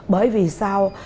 bởi vì sao